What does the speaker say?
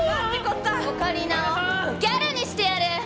オカリナをギャルにしてやる！